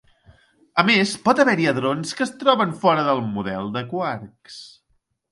A més, pot haver-hi hadrons que es troben fora del model de quarks.